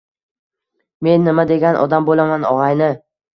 Men nima degan odam bo‘laman, og‘ayni.